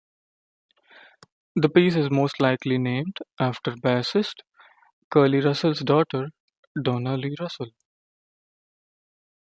The piece is most likely named after bassist Curly Russell's daughter, Donna Lee Russell.